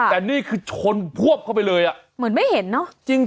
แต่นี่คือชนพวบเข้าไปเลยอ่ะเหมือนไม่เห็นเนอะ